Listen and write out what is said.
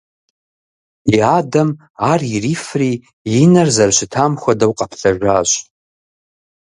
И адэм ар ирифри и нэр зэрыщытам хуэдэу къэплъэжащ.